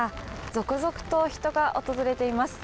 続々と人が訪れています。